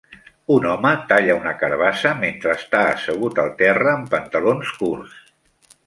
Un home talla una carbassa mentre està assegut al terra amb pantalons curts.